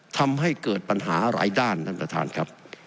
ทำให้เกิดปัญหาหลายด้านท่านประธานครับ